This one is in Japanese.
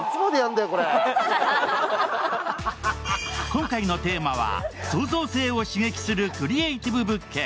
今回のテーマは、創造性を刺激するクリエーティブ物件。